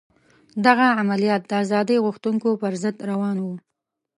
دغه عملیات د ازادي غوښتونکو پر ضد روان وو.